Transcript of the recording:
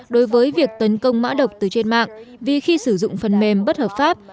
đối với việc tấn công mã độc từ trên mạng vì khi sử dụng phần mềm bất hợp pháp